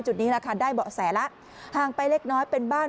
จุดนี้ได้เบาะแสลห่างไปเลขน้อยเป็นบ้าน